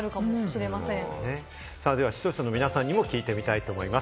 では視聴者の皆さんにも聞いてみたいと思います。